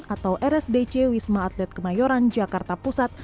atau rsdc wisma atlet kemayoran jakarta pusat